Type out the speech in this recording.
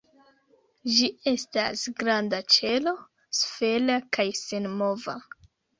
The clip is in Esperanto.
Ĝi estas granda ĉelo, sfera kaj senmova.